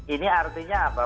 ini artinya apa